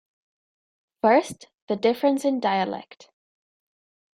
First, the difference in dialect.